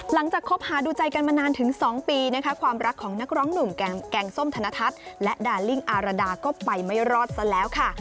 คบหาดูใจกันมานานถึง๒ปีนะคะความรักของนักร้องหนุ่มแกงส้มธนทัศน์และดาลิ่งอารดาก็ไปไม่รอดซะแล้วค่ะ